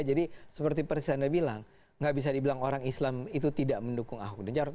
seperti persis anda bilang nggak bisa dibilang orang islam itu tidak mendukung ahok dan jarot